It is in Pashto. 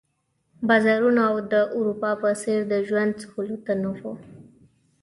بازارونه او د اروپا په څېر د ژوند سهولتونه وو.